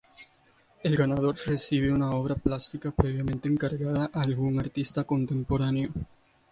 El ganador recibe una obra plástica previamente encargada a algún artista contemporáneo.